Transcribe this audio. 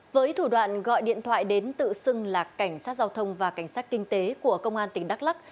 với thủ đoạn gọi điện thoại đến tự xưng là cảnh sát giao thông và cảnh sát kinh tế của công an tỉnh đắk lắc